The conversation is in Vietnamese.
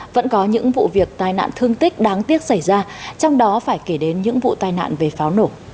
vẫn có những vụ việc tai nạn thương tích đáng tiếc xảy ra trong đó phải kể đến những vụ tai nạn về pháo nổ